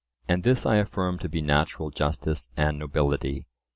And this I affirm to be natural justice and nobility.